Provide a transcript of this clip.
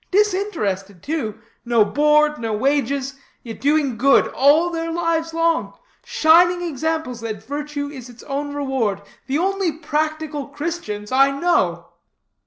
Disinterested, too; no board, no wages; yet doing good all their lives long; shining examples that virtue is its own reward the only practical Christians I know."